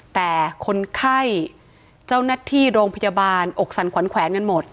แต่คนไข้เจ้าหน้าที่โรงพยาบาลอกสั่นขวัญแขวนกันหมด